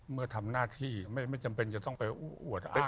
เมื่อทำหน้าที่ไม่จำเป็นจะต้องไปอู้อวดอะไร